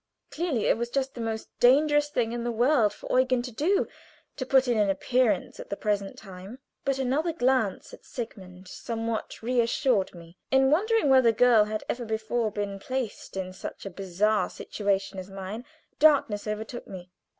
Clearly it was just the most dangerous thing in the world for Eugen to do to put in an appearance at the present time. But another glance at Sigmund somewhat reassured me. In wondering whether girl had ever before been placed in such a bizarre situation as mine, darkness overtook me.